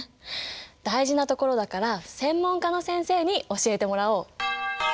大事なところだから専門家の先生に教えてもらおう。